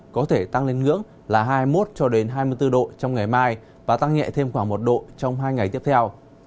có thể tăng lên ngưỡng là hai mươi một hai mươi bốn độ trong ngày mai và tăng nhẹ thêm khoảng một độ trong hai ngày tiếp theo